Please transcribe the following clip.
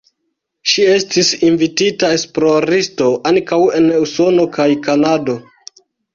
Ŝi estis invitita esploristo ankaŭ en Usono kaj Kanado.